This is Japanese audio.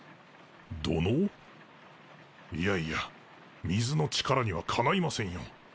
いやいや水の力にはかないませんよ。